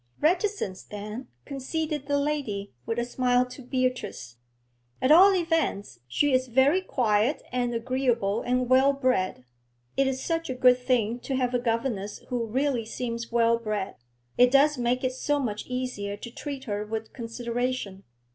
'Reticent, then,' conceded the lady, with a smile to Beatrice. 'At all events, she is very quiet and agreeable and well bred. It is such a good thing to have a governess who really seems well bred; it does make it so much easier to treat her with consideration.'